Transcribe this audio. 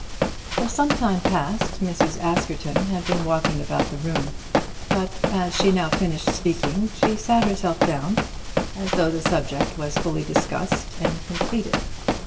For some time past Mrs. Askerton had been walking about the room, but, as she now finished speaking, she sat herself down as though the subject was fully discussed and completed.